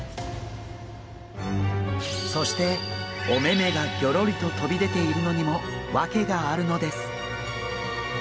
そしてお目目がぎょろりと飛び出ているのにも訳があるのです。